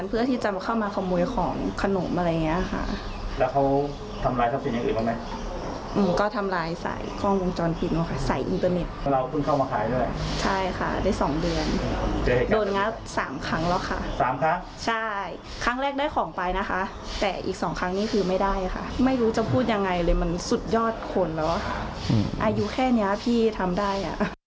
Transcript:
พูดอย่างไรเลยมันสุดยอดขนออายุแค่นี้พี่ทำได้